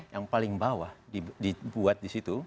yang paling bawah dibuat disitu